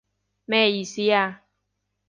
咩意思啊？